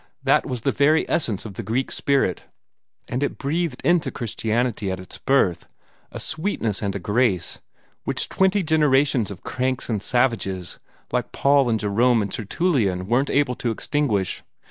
That was the very essence of the Greek spirit; and it breathed into Christianity at its birth a sweetness and a grace which twenty generations of cranks and savages like Paul and Jerome and Tertullian weren't able to extinguish.